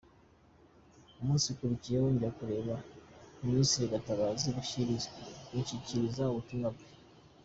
Umunsi ukurikiyeho njya kureba Ministre Gatabazi mushyikiriza ubutumwa bwe.